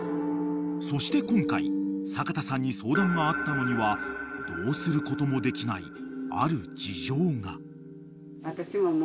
［そして今回阪田さんに相談があったのにはどうすることもできない］